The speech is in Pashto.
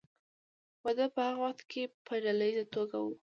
واده په هغه وخت کې په ډله ایزه توګه و.